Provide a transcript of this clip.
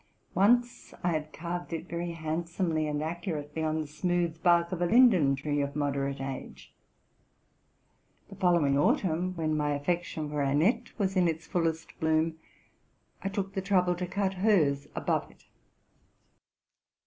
Once I had carved it very handsomely and accurately on the smooth bark of a linden tree of mode vate age. The following autumn, when my affection for An nette was in its fullest bloom, I took the trouble to cut hers above it.